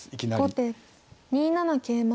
後手２七桂馬。